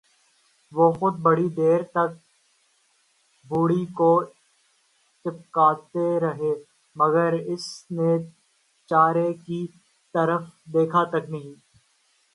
وہ خود بڑی دیر تک بھوری کو پچکارتے رہے، مگر اس نے چارے کی طرف دیکھا تک نہیں۔